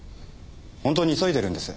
本当に急いでるんです。